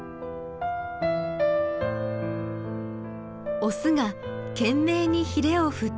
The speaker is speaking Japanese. オスが懸命にひれを振っています。